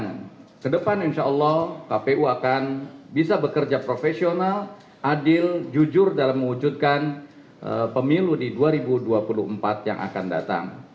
dan ke depan insya allah kpu akan bisa bekerja profesional adil jujur dalam mewujudkan pemilu di dua ribu dua puluh empat yang akan datang